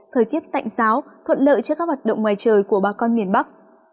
thời tiết tạnh giáo thuận lợi cho các hoạt động ngoài trời của bà con miền bắc